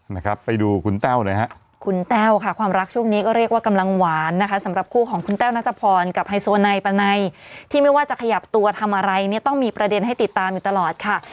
นะครับไปดูคุณแต้วหน่อยฮะคุณแต้วค่ะความรักช่วงนี้ก็เรียกว่ากำลังหวานนะคะสำหรับคู่ของคุณแต้วนัทพรกับไฮโซไนปะไนที่ไม่ว่าจะขยับตัวทำอะไรเนี่ยต้องมีประเด็นให้ติดตามอยู่ตลอดค่ะ